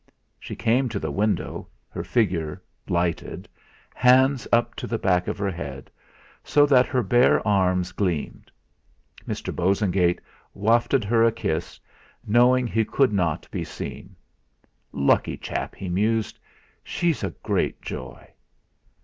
She came to the window, her figure lighted, hands up to the back of her head, so that her bare arms gleamed. Mr. Bosengate wafted her a kiss, knowing he could not be seen. 'Lucky chap!' he mused; 'she's a great joy!'